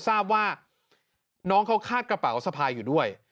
ทราบว่าน้องเขาคาดกระเป๋าสะพายอยู่ด้วย